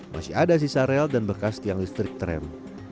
masih ada sisa rel dan bekas tiang listrik tram